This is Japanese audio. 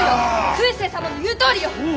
空誓様の言うとおりよ！